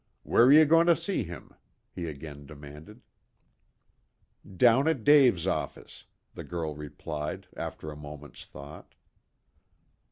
"Where are you going to see him?" he again demanded. "Down at Dave's office," the girl replied, after a moment's thought.